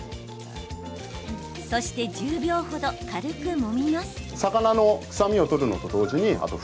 そして１０秒程、軽くもみます。